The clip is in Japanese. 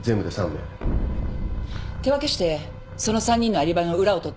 手分けしてその３人のアリバイの裏を取って。